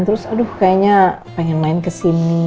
terus aduh kayaknya pengen main ke sini